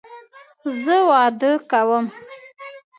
زه واده کوم